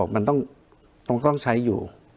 มันต้องใช้อยู่